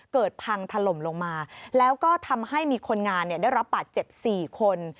เกิดพังถล่มลงมาแล้วก็ทำให้มีคนงานได้รับบาดเจ็บ๔คน